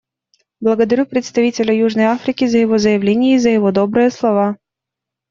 Благодарю представителя Южной Африки за его заявление и за его добрые слова.